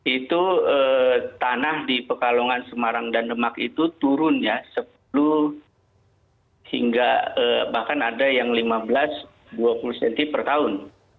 itu tanah di pekalongan semarang dan demak itu turun ya sepuluh hingga bahkan ada yang lima belas dua puluh cm per tahun